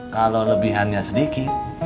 kalau lebihannya sedikit